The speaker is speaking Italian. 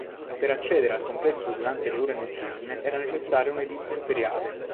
Per accedere al complesso durante le ore notturne, era necessario un editto imperiale.